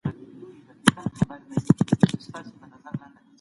تدريس منظم پلان ته اړتيا لري؛ ؛خو تعليم طبيعي بهير دی.